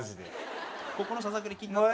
ここのささくれ気になって。